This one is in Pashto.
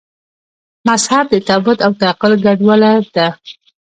مذهب د تعبد او تعقل ګډوله ده.